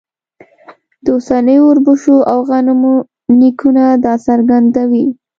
د اوسنیو اوربشو او غنمو نیکونه دا څرګندوي.